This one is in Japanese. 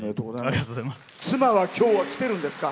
妻は今日は来てるんですか？